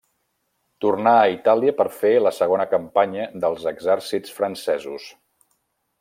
Tornà a Itàlia per fer la segona campanya dels exèrcits francesos.